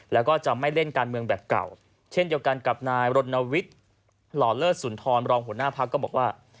แล้วก็จะไม่เล่นการเมืองแบบเก่าเช่นเดียวกันกับนายรณวิทย์หล่อเลิศสุนทรรองหัวหน้าพักก็บอกว่า